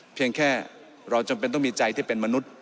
เพียงแค่เราจำเป็นต้องมีใจที่เป็นมนุษย์